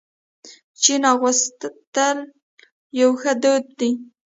چپن اغوستل یو ښه دود دی.